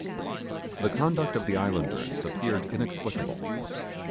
The conduct of the islanders appeared inexplicable.